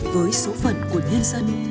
với số phận của nhân dân